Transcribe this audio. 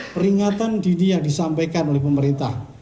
peringatan dini yang disampaikan oleh pemerintah